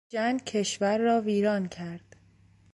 جنگ کشور را ویران کرد.